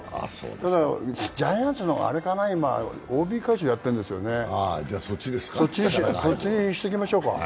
ただジャイアンツのＯＢ会長やってるんですよね、そっちにしときましょうか。